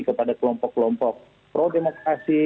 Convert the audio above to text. kepada kelompok kelompok pro demokrasi